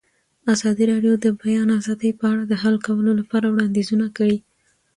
ازادي راډیو د د بیان آزادي په اړه د حل کولو لپاره وړاندیزونه کړي.